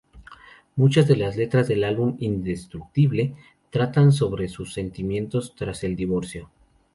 Muchas de las letras del álbum "Indestructible" tratan sobre sus sentimientos tras el divorcio.